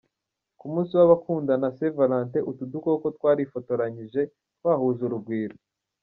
Ku munsi w’Abakundana, Saint Valentin, utu dukoko rwarifotoranyije twahuje urugwiro.